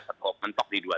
atau mentok di dua puluh lima